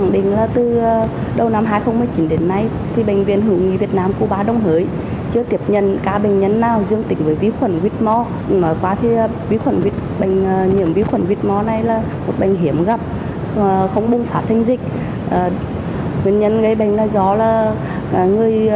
đến thời điểm hiện tại bệnh viện việt nam cuba đồng hới chưa tiếp nhận bệnh nhân nào mắc bệnh do vi khuẩn ăn thịt người